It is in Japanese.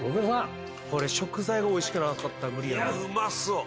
これ食材がおいしくなかったら無理やうまそう